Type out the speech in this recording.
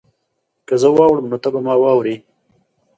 که زه واوړم نو ته به ما واورې؟